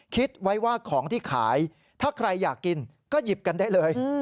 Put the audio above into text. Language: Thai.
คิดไว้ว่าของที่ขายถ้าใครอยากกินก็หยิบกันได้เลย